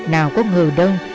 nào có ngờ đâu